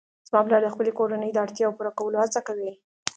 زما پلار د خپلې کورنۍ د اړتیاوو پوره کولو هڅه کوي